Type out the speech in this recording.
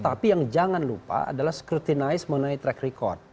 tapi yang jangan lupa adalah scritinize mengenai track record